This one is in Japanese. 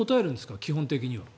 基本的には。